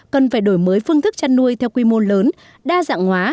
cần phải đổi mới phương thức chăn nuôi theo quy mô lớn đa dạng hóa